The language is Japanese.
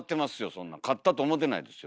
そんな勝ったと思てないですよ。